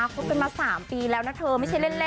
คบกันมา๓ปีแล้วนะเธอไม่ใช่เล่น